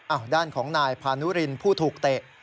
ด้านของนายพานุรินผู้ถูกเตะ